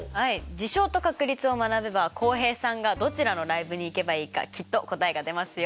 事象と確率を学べば浩平さんがどちらのライブに行けばいいかきっと答えが出ますよ。